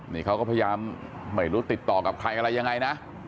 นี่เขาก็พยายามไม่รู้ติดต่อกับใครอะไรยังไงนะ